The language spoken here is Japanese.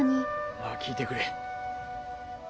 まあ聞いてくれ。